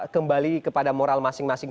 kembali kepada moral masing masing